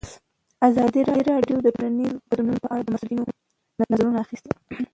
ازادي راډیو د ټولنیز بدلون په اړه د مسؤلینو نظرونه اخیستي.